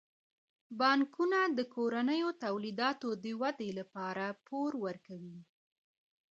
بانکونه د کورنیو تولیداتو د ودې لپاره پور ورکوي.